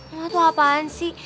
itu apaan sih